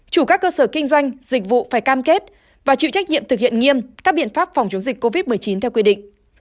chủ các cơ sở kinh doanh dịch vụ phải cam kết và chịu trách nhiệm thực hiện nghiêm các biện pháp phòng chống dịch covid một mươi chín theo quy định